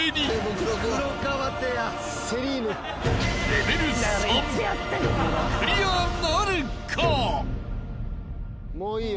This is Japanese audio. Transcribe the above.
［レベル３クリアなるか？］